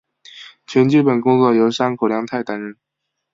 全剧本工作由山口亮太担任。